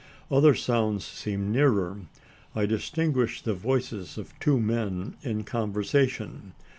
Other sounds seem nearer. I distinguish the voices of two men in conversation.